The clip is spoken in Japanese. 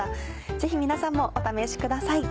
ぜひ皆さんもお試しください。